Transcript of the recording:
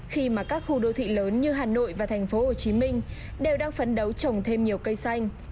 khi mà các khu đô thị lớn như hà nội và thành phố hồ chí minh đều đang phấn đấu trồng thêm nhiều cây xanh